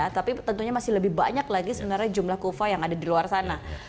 tapi tentunya masih lebih banyak lagi sebenarnya jumlah kufa yang ada di luar sana